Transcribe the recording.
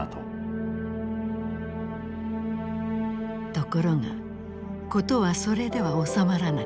ところが事はそれでは収まらなかった。